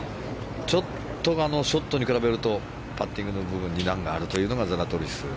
ちょっとショットに比べるとパッティングの部分に難があるのがザラトリス。